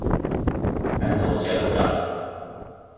南投交流道